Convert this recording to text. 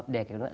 để kiểm tra